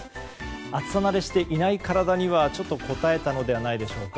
暑さ慣れしてない体にはちょっとこたえたのではないでしょうか。